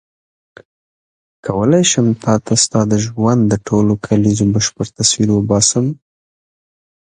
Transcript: کولای شم تا ته ستا د ژوند د ټولو کلیزو بشپړ تصویر وباسم.